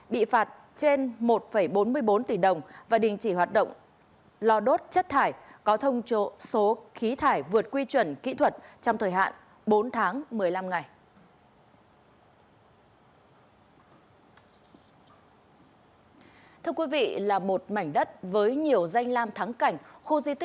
bị phạt trên một bốn mươi bốn tỷ đồng và đình chỉ hoạt động lò đốt chất thải có thông chỗ số khí thải vượt quy chuẩn kỹ thuật trong thời hạn bốn tháng một mươi năm ngày